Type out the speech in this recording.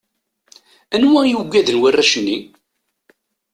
Anwa i ugaden warrac-nni?